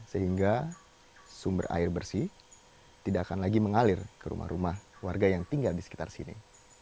sehingga sumber air bersih tidak akan lagi mengalir ke rumah rumah warga yang tinggal di sekitar sini